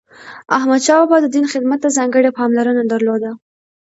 احمدشاه بابا د دین خدمت ته ځانګړی پاملرنه درلوده.